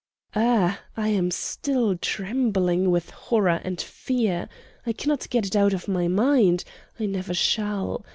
"Ugh! I am still trembling with horror and fear. I cannot get it out of my mind; I never shall.